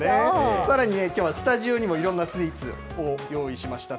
さらに、きょうはスタジオにもいろんなスイーツ、用意しました。